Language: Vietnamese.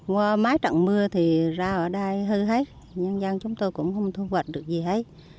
qua mấy trận mưa thì ra ở đây hư hết nhân dân chúng tôi cũng không thu hoạch được gì hết